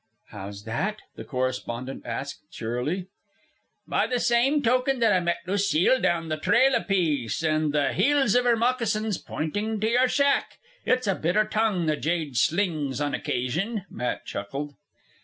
"How's that?" the correspondent asked, cheerily. "By the same token that I met Lucile down the trail a piece, an' the heels iv her moccasins pointing to yer shack. It's a bitter tongue the jade slings on occasion," Matt chuckled.